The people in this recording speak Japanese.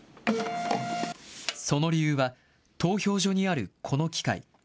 その理由は、投票所にある、この機械。